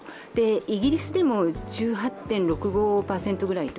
イギリスでも１８．６５％ぐらいと。